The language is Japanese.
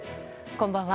こんばんは。